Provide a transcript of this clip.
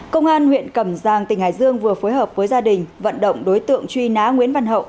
công an huyện cẩm giang tỉnh hải dương vừa phối hợp với gia đình vận động đối tượng truy nã nguyễn văn hậu